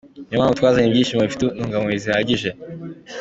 Niyo mpamvu twazanye ibishyimbo bifite intungamubiri zihagije.